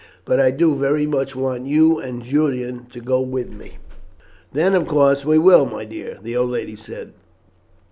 But I do very much want you and Julian to go with me." "Then, of course we will, my dear," the old lady said.